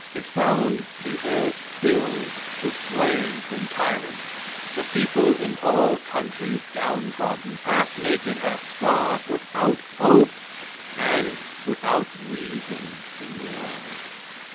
It found the earth filled with slaves and tyrants, the people in all countries downtrodden, half naked, half starved, without hope, and without reason in the world.